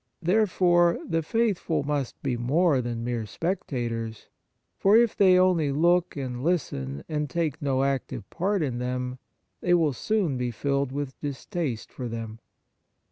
Therefore the faithful must be more than mere spectators, for if they only look and listen and take no active part in them, they will soon be filled with distaste for them.